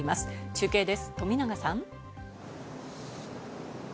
中継です、富永さん。